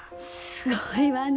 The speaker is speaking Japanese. すごいわね